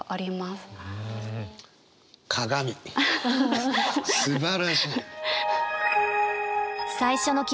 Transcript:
すばらしい。